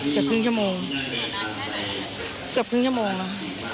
เกือบครึ่งชั่วโมงเกือบครึ่งชั่วโมงอ่ะ